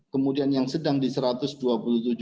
kemudian yang sedang di satu ratus dua puluh tujuh